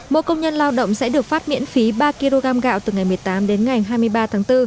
mỗi công nhân lao động sẽ được phát miễn phí ba kg gạo từ ngày một mươi tám đến ngày hai mươi ba tháng bốn